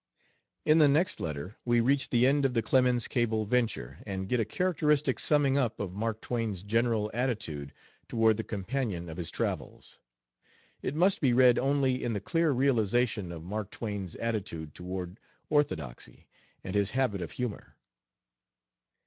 In the next letter we reach the end of the Clemens Cable venture and get a characteristic summing up of Mark Twain's general attitude toward the companion of his travels. It must be read only in the clear realization of Mark Twain's attitude toward orthodoxy, and his habit of humor.